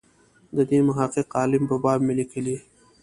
د دې محقق عالم په باب مې لیکلي.